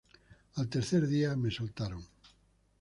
Al tercer día me soltaron.